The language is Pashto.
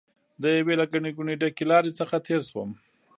د یوې له ګڼې ګوڼې ډکې لارې څخه تېر شوم.